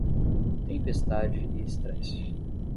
Tempestade e estresse.